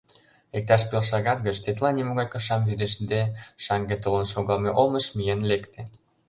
Иктаж пел шагат гыч, тетла нимогай кышам верештде, шаҥге толын шогалме олмыш миен лекте.